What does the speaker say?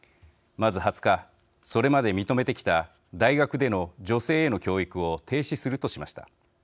まず、２０日それまで認めてきた大学での女性への教育を停止するとしました。